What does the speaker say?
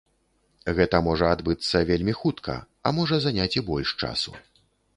Гэта можа адбыцца вельмі хутка, а можа заняць і больш часу.